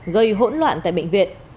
gây hỗn loạn tại bệnh viện